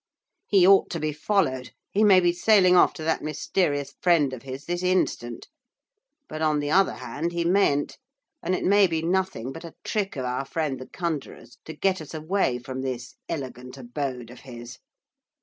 'He ought to be followed, he may be sailing off to that mysterious friend of his this instant. But, on the other hand, he mayn't, and it may be nothing but a trick of our friend the conjurer's to get us away from this elegant abode of his.